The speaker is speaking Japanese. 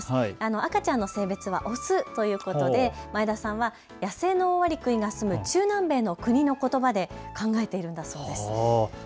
赤ちゃんの性別はオスとのことで前田さんは野生のオオアリクイが住む中南米の国のことばで考えているんだそうです。